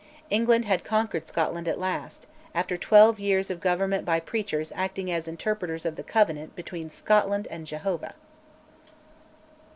England had conquered Scotland at last, after twelve years of government by preachers acting as interpreters of the Covenant between Scotland and Jehovah.